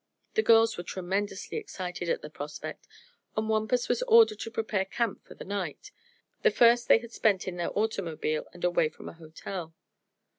The girls were tremendously excited at the prospect and Wampus was ordered to prepare camp for the night the first they had spent in their automobile and away from a hotel.